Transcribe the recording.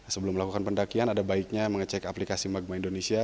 sebelum melakukan pendakian ada baiknya mengecek aplikasi magma indonesia